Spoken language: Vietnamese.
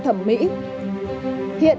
thẩm mỹ hiện